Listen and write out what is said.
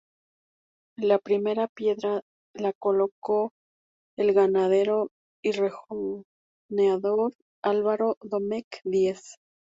La primera piedra la colocó el ganadero y rejoneador Álvaro Domecq Díez.